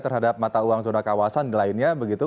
terhadap mata uang zona kawasan lainnya begitu